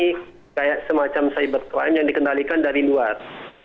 seperti ini semacam cybercrime yang dikendalikan dari luar